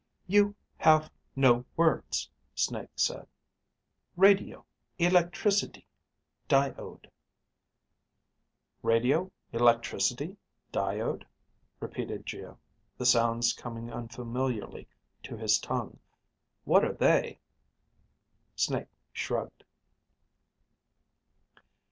You ... have ... no ... words, Snake said. Radio ... electricity ... diode ... "Radio, electricity, diode?" repeated Geo, the sounds coming unfamiliarly to his tongue. "What are they?" Snake shrugged.